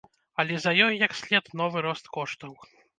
А за ёй, як след, новы рост коштаў.